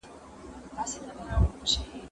زه پرون د زده کړو تمرين وکړ،